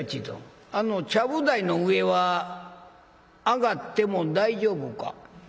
どんあのちゃぶ台の上は上がっても大丈夫か？」。